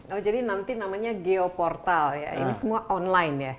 oh jadi nanti namanya geoportal ya ini semua online ya